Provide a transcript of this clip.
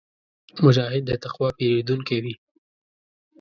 مجاهد د تقوا پېرودونکی وي.